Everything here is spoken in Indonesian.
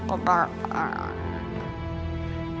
amin ya allah